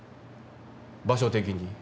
場所的に。